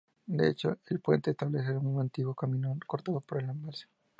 De hecho, el puente restablece un antiguo camino cortado por el embalse.